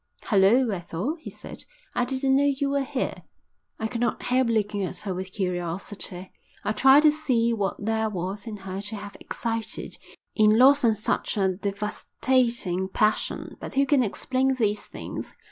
"Hulloa, Ethel," he said, "I didn't know you were here." I could not help looking at her with curiosity. I tried to see what there was in her to have excited in Lawson such a devastating passion. But who can explain these things?